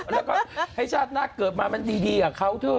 แล้วก็ให้ชาติหน้าเกิดมามันดีกับเขาเถอะ